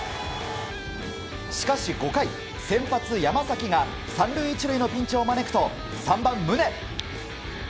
しかし５回、先発山崎が３塁１塁のピンチを招くと３番、宗。